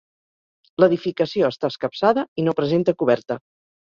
L'edificació està escapçada i no presenta coberta.